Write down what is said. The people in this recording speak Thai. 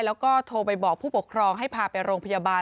แล้วก็โทรไปบอกผู้ปกครองให้พาไปโรงพยาบาล